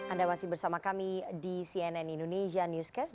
anda masih bersama kami di cnn indonesia newscast